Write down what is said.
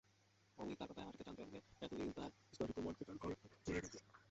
অমিত তার কথায় হাসিতে চাঞ্চল্যে এতদিন তাঁর স্নেহাসক্ত মনকে, তাঁর ঘরকে ভরে রেখেছিল।